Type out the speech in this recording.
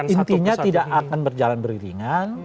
intinya tidak akan berjalan beriringan